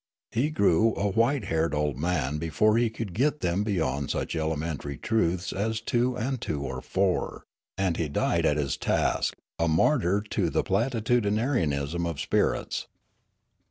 He grew a white haired old man before he could get them beyond such elementary truths as two and two are four, and he died at his task, a martyr to the platitudinarianism of spirits.